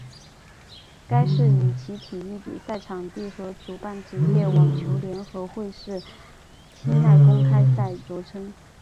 该市以其体育比赛场地和主办职业网球联合会赛事清奈公开赛着称。